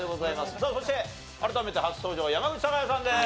さあそして改めて初登場山口貴也さんです。